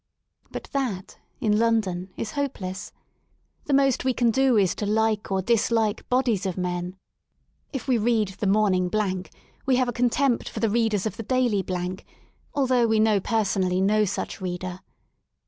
But that, in London, is hopeless. The most we can do is to like or dislike bodies of men. If we read the *' Morning " we have a contempt for the readers of the Daily /' although we know personally no such reader.